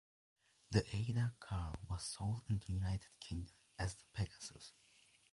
The Ader car was sold in the United Kingdom as the Pegasus.